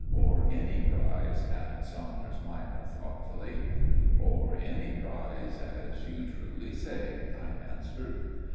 "Or any prize," added Saunders minor thoughtfully. "Or any prize, as you truly say," I answered.